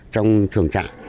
trong chuồng chạy